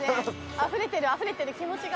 あふれてるあふれてる気持ちが。